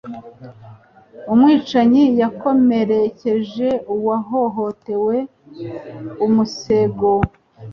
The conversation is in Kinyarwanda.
Umwicanyi yakomerekeje uwahohotewe umusego.